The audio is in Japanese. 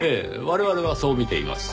我々はそう見ています。